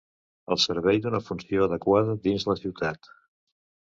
al servei d'una funció adecuada dins la ciutat